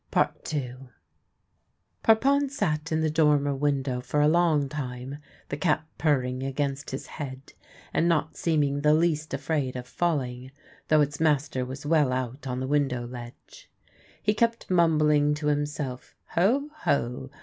PARPON THE DWARF 215 II Parpon sat in the dormer window for a long time, the cat purring against his head, and not seeming the least afraid of falHng, though its master was well out on the window ledge. He kept mumbling to himself: " Ho ! ho